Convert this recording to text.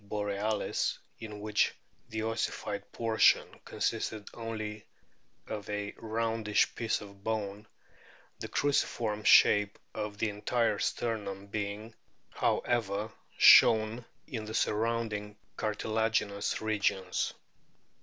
borealis, in which the ossified portion consisted only of a roundish piece of bone, the cruciform shape of the entire sternum being, however, shown in the surrounding cartilaginous regions.